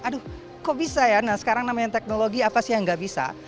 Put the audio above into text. aduh kok bisa ya nah sekarang namanya teknologi apa sih yang gak bisa